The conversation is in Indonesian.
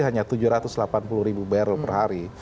hanya tujuh ratus delapan puluh ribu barrel per hari